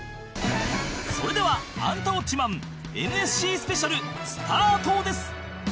それでは『アンタウォッチマン！』ＮＳＣ スペシャルスタートです